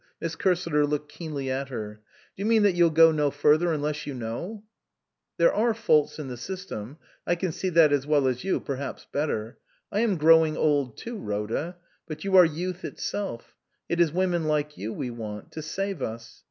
Miss Cursiter looked keenly at her. "Do you mean that you'll go no further unless you know?" Rhoda was silent. "There are faults in the system. I can see that as well as you, perhaps better. I am growing old too, Rhoda. But you are youth itself. It is women like you we want to save us.